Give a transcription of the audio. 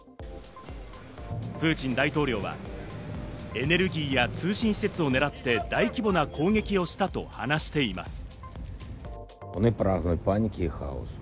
プーチン大統領はエネルギーや通信施設を狙って大規模な攻撃をしたと話しています。